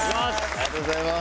ありがとうございます。